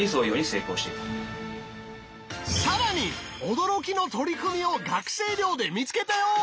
驚きの取り組みを学生寮で見つけたよ！